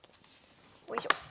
おいしょ。